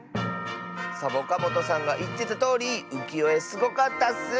サボカもとさんがいってたとおりうきよえすごかったッス！